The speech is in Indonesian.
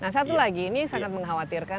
nah satu lagi ini sangat mengkhawatirkan